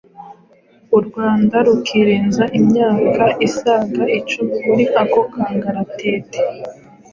u Rwanda rukirenza imyaka isaga icumi muri ako kangaratete.